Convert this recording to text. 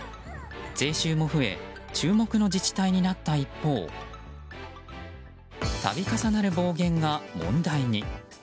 税収も増え注目の自治体になった一方度重なる暴言が問題に。